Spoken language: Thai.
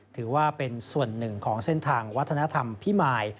ถือว่าเป็นส่วนหนึ่งของเส้นทางวัฒนธรรมพิมาย